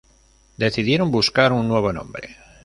Decidieron buscar un nuevo nombre.